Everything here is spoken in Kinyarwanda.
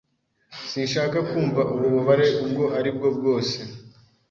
Sinshaka kumva ububabare ubwo aribwo bwose.